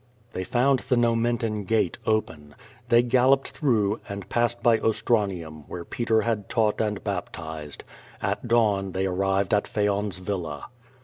They found the Nomentan Gate open. They galloped through, and passed by Ostranium, where Peter had taught and baptized. At dawn they arrived at Phaon's villa.